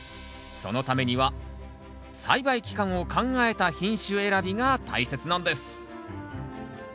そのためには栽培期間を考えた品種選びが大切なんです